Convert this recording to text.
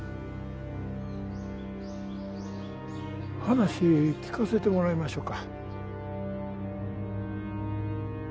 話聞かせてもらいましょうか。